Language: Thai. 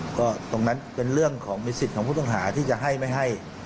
ก็ตรงนั้นเป็นเรื่องของมีสิทธิ์ของผู้ต้องหาที่จะให้ไม่ให้